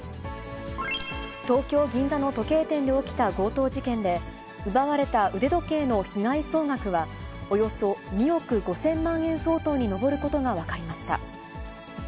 東京・銀座の時計店で起きた強盗事件で、奪われた腕時計の被害総額は、およそ２億５０００万円相当に上ることが分かりました。